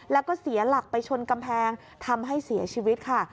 แล้วก็เสียหลักไปชนกำแพงทำให้เสียชีวิตค่ะ